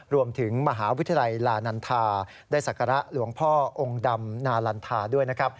รวมถึงมหาวิทยาลัยลานันทาได้ศักระหลวงพ่อองค์ดำนาลันทาด้วยนะครับ